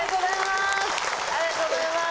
ありがとうございます！